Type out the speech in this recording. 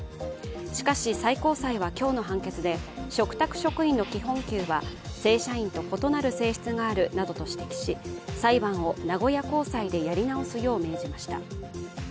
しかし、最高裁は今日の判決で嘱託職員の基本給は正社員と異なる性質があるなどと指摘し、裁判を名古屋高裁でやり直すよう命じました。